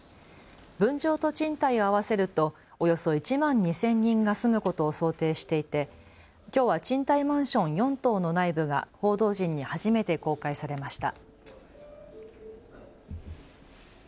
分譲と賃貸を合わせるとおよそ１万２０００人が住むことを想定していてきょうは賃貸マンション４棟の内部が報道陣に初めて公開されました。